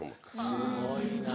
すごいな。